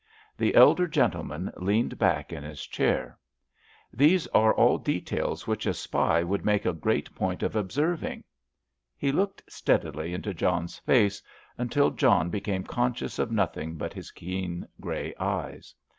The elder gentleman leaned back in his chair. "These are all details which a spy would make a great point of observing." He looked steadily into John's face, until John became conscious of nothing but his keen, grey eyes.